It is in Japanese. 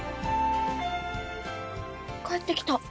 帰ってきた。